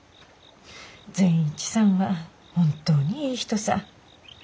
善一さんは本当にいい人さ。